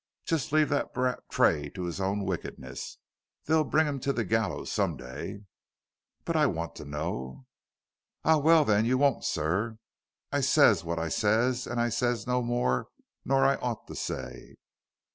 "Jus' leave that brat, Tray, to his own wickedness. They'll bring him to the gallers some day." "But I want to know " "Ah, well, then, you won't, sir. I ses what I ses, and I ses no more nor I oughter say.